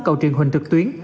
cầu truyền hình trực tuyến